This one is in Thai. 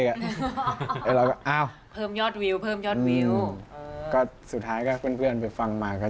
เขาให้คุณทำอะไรแปลกบ้างไหม